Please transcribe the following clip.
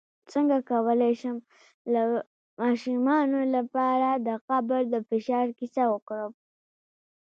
څنګه کولی شم د ماشومانو لپاره د قبر د فشار کیسه وکړم